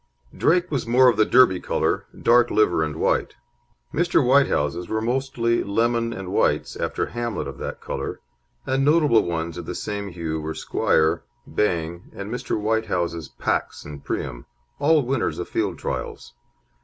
Drake was more of the Derby colour; dark liver and white. Mr. Whitehouse's were mostly lemon and whites, after Hamlet of that colour, and notable ones of the same hue were Squire, Bang Bang, and Mr. Whitehouse's Pax and Priam, all winners of field trials.